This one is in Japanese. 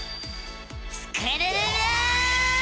スクるるる！